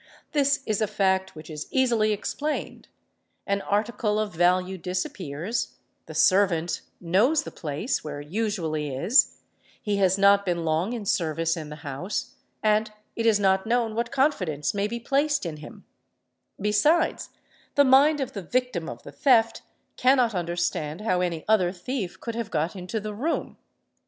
This is a fact which is easily explained ; an article of value disappears, the servant knows the place where it ' usually is, he has not been long in service in the house, and it is not | known what confidence may be placed in him; besides, the mind of the victim of the theft cannot understand how any other thief could have got into the room.